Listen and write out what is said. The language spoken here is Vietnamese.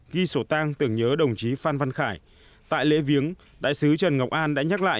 ghi sổ tang tưởng nhớ đồng chí phan văn khải tại lễ viếng đại sứ trần ngọc an đã nhắc lại